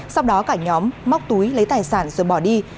sau đó cả nhóm móc túi lấy tài sản rồi bỏ đi